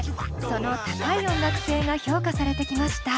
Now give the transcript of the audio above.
その高い音楽性が評価されてきました。